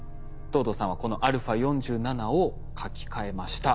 藤堂さんはこのα４７を書き換えました。